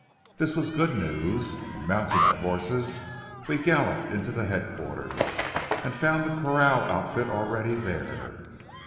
This was good news, and mounting our horses we galloped into headquarters and found the corral outfit already there.